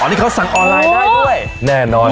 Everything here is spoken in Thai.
นี่เขาสั่งออนไลน์ได้ด้วยแน่นอน